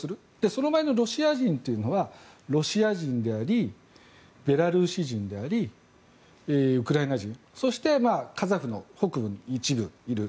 その前のロシア人というのはロシア人でありベラルーシ人でありウクライナ人であるそしてカザフの北部の一部にいる。